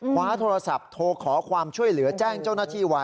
คว้าโทรศัพท์โทรขอความช่วยเหลือแจ้งเจ้าหน้าที่ไว้